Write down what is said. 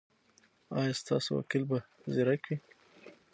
ایا ستاسو وکیل به زیرک وي؟